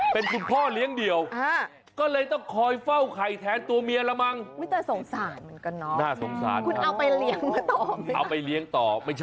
เป็นคุณพ่อเลี้ยงเดี่ยว